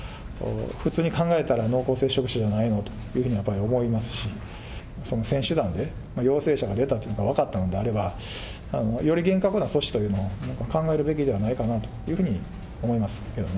普通に考えたら、濃厚接触者じゃないのってやっぱり思いますし、選手団で、陽性者が出たというのが分かったんであれば、より厳格な措置というのを考えるべきではないかなというふうに思いますけどね。